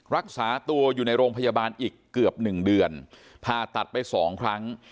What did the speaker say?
รักษาตัวอยู่ในโรงพยาบาลอีกเกือบหนึ่งเดือนผ่าตัดไปสองครั้ง